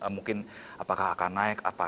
mungkin apakah akan naik